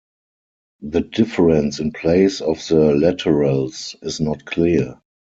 The difference in place of the laterals is not clear.